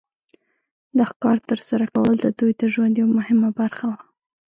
د ښکار تر سره کول د دوی د ژوند یو مهمه برخه وه.